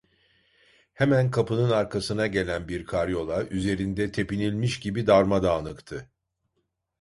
Hemen kapının arkasına gelen bir karyola, üzerinde tepinilmiş gibi darmadağınıktı.